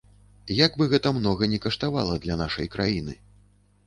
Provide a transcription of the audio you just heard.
Як бы гэта многа ні каштавала для нашай краіны.